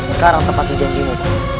sekarang tepat hidupimu